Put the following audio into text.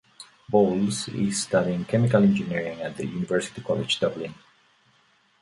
Boles is studying chemical engineering at the University College Dublin.